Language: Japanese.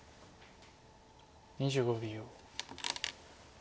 ２５秒。